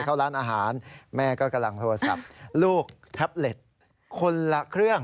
เข้าร้านอาหารแม่ก็กำลังโทรศัพท์ลูกแท็บเล็ตคนละเครื่อง